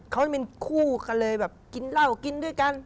เขาเป็นคู่กันเลยแบบกินเหล้ากินด้วยกัน